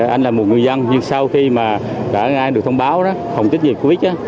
anh là một người dân nhưng sau khi mà đã ngay được thông báo phòng tích dịch covid